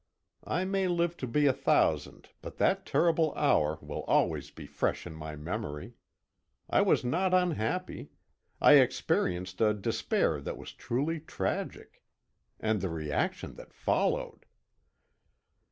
I may live to be a thousand, but that terrible hour will always be fresh in my memory. I was not unhappy. I experienced a despair that was truly tragic. And the reaction that followed!